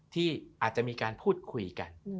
ที่อาจจะมีการพูดคุยกัน